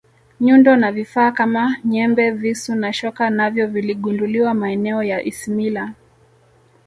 nyundo na vifaa Kama nyembe visu na shoka navyo viligunduliwa maeneo ya ismila